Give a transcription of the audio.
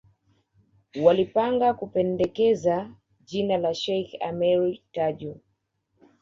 Walipanga kupendekeza jina la Sheikh Ameir Tajo